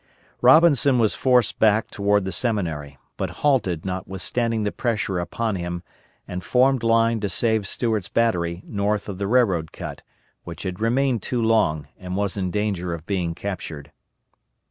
Robinson was forced back toward the Seminary, but halted notwithstanding the pressure upon him, and formed line to save Stewart's battery north of the railroad cut, which had remained too long, and was in danger of being captured.